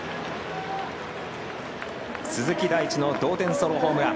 鈴木大地の同点ソロホームラン。